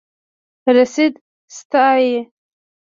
رسید ساتئ